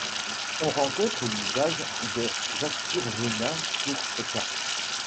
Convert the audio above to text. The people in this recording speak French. On rencontre l'usage des aspire-venin pour ces cas.